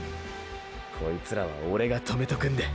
こいつらはオレが止めとくんで。